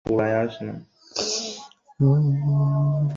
কিছু মানুষ আছে কৌতুহলী হয়ে সেখানে যায়, হাঁটাহাঁটি করতে।